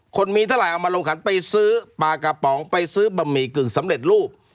คนมีเท่าไหร่เอามาลงขันไปซื้อปลากระป๋องไปซื้อบะหมี่กึ่งสำเร็จรูป